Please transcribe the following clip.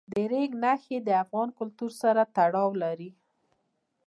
د ریګ دښتې د افغان کلتور سره تړاو لري.